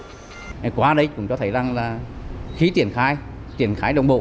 hệ quả đấy cũng cho thấy rằng là khí triển khai triển khai đồng bộ